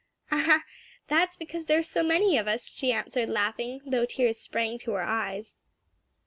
"Ah, that's because there are so many of us!" she answered, laughing, though tears sprang to her eyes.